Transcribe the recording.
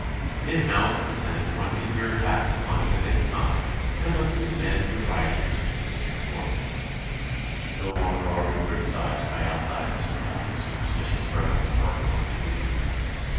In House and Senate one can hear attacks upon it at any time and listen to men deriding its framers and their work. No longer are we criti cised by outsiders for having a superstitious reverence for our Constitution.